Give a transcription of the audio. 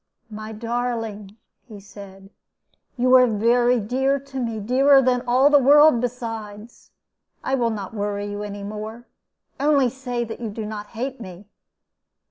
"My darling," he said, "you are very dear to me dearer than all the world besides. I will not worry you any more. Only say that you do not hate me."